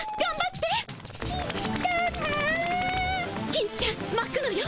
金ちゃんまくのよ。